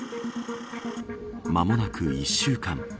間もなく１週間。